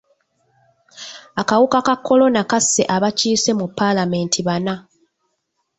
Akawuka ka kolona kasse abakiise mu paalamenti bana.